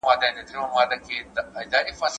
د انسجام او پیوستون لپاره کارونه نه سي کمزوری کیدای.